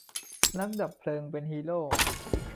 นักดับเพลิงเป็นฮีโร่